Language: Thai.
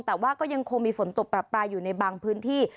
แต่ว่าก็ยังคงมีฝนตกปรับปลายอยู่ในบางพื้นที่